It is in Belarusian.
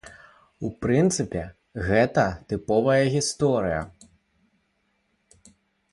У прынцыпе, гэта тыповая гісторыя.